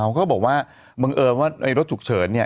เขาก็บอกว่าบังเอิญว่ารถฉุกเฉิน